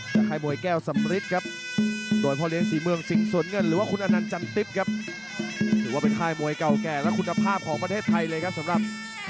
ไทยมวยแก้วสำฤทธิ์ครับ